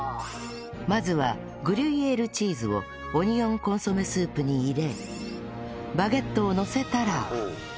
まずはグリュイエールチーズをオニオンコンソメスープに入れバゲットをのせたら